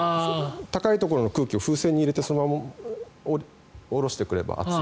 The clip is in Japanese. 高いところの空気を風船に入れてそのまま下ろしてくれば暑い。